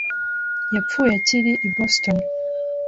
yapfuye akiri i Boston.